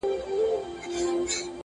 چي دا کلونه راته وايي نن سبا سمېږي٫